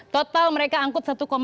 total mereka angkut